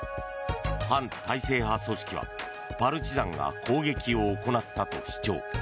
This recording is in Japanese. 反体制派組織は、パルチザンが攻撃を行ったと主張。